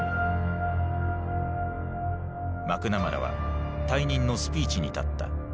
マクナマラは退任のスピーチに立った。